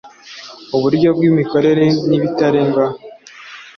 Uburyo bw imikorere n ibitarengwaho